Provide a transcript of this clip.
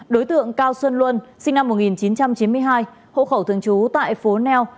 đối tượng cao xuân luân sinh năm một nghìn chín trăm chín mươi hai hộ khẩu thường trú tại phố neo